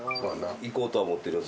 行こうとは思ってるよ